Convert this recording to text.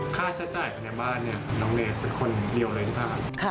ค่าใช้จ่ายภายในบ้านน้องเนธเป็นคนเดียวเลยค่ะ